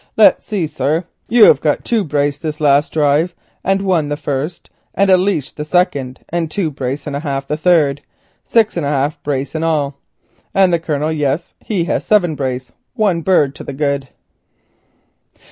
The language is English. Let's see, sir, you got two brace this last drive and one the first, and a leash the second, and two brace and a half the third, six and a half brace in all. And the Colonel, yes, he hev seven brace, one bird to the good."